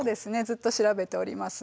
ずっと調べております。